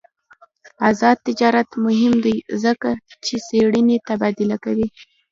آزاد تجارت مهم دی ځکه چې څېړنې تبادله کوي.